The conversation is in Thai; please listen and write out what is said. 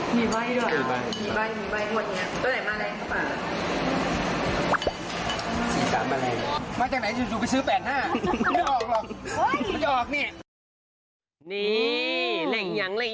นี่คือมีไว้ด้วยมีไว้หมดอย่างนี้